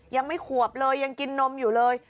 ยังไม่ขวบเลยยังกินนมอยู่เลย